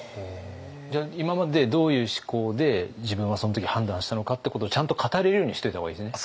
今までどういう思考で自分はその時判断したのかってことをちゃんと語れるようにしといた方がいいですね。